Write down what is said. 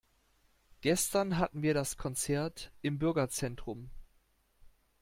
Gestern hatten wir das Konzert im Bürgerzentrum.